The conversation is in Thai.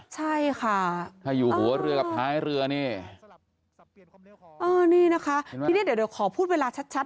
ใช่ค่ะถ้าอยู่หัวเรือกับท้ายเรือนี่นะคะทีนี้เดี๋ยวขอพูดเวลาชัด